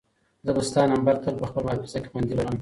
زه به ستا نمبر تل په خپل حافظه کې خوندي لرم.